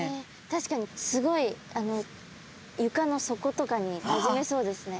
確かにスゴいゆかの底とかになじめそうですね。